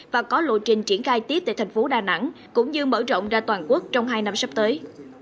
và có lộ trình triển khai tiếp tại thành phố đà nẵng cũng như mở rộng ra toàn quốc trong hai năm sắp tới